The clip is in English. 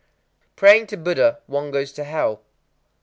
_ Praying to Buddha one goes to hell.